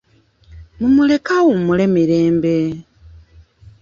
Mumuleke awummule mirembe.